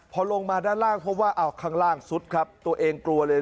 พอลงมาด้านล่างพบว่าอ้าวข้างล่างสุดครับตัวเองกลัวเลย